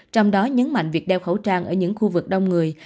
trong đó nhấn mạnh việc đeo khẩu trang ở những khu vực đông người